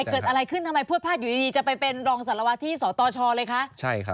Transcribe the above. เกิดอะไรขึ้นทำไมพลวดพลาดอยู่ดีจะไปเป็นรองสารวัตรที่สตชเลยคะ